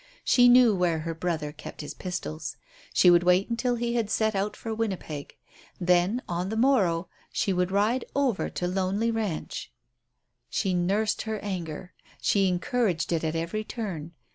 She knew where her brother kept his pistols. She would wait until he had set out for Winnipeg. Then, on the morrow, she would ride over to Lonely Ranch. She nursed her anger; she encouraged it at every turn.